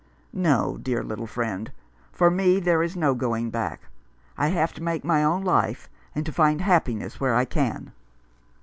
No, dear little friend, for me there is no going back. I have to make my own life, and to find happiness where I can."